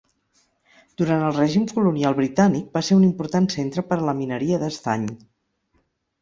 Durant el règim colonial britànic va ser un important centre per a la mineria d'estany.